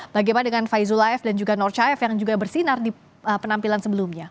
bagaimana dengan faizullahev dan juga norcaev yang juga bersinar di penampilan sebelumnya